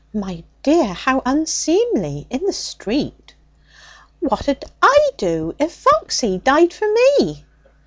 'My dear! How unseemly! In the street!' 'And what'd I do if Foxy died for me?'